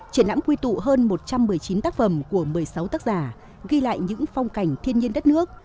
triển lãm quy tụ hơn một trăm một mươi chín tác phẩm của một mươi sáu tác giả ghi lại những phong cảnh thiên nhiên đất nước